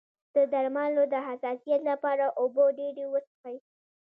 د درملو د حساسیت لپاره اوبه ډیرې وڅښئ